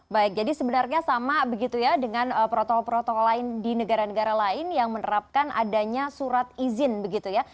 baik jadi sebenarnya sama begitu ya dengan protokol protokol lain di negara negara lain yang menerapkan adanya surat izin begitu ya